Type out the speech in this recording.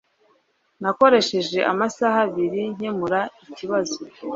Nakoresheje amasaha abiri nkemura ikibazo.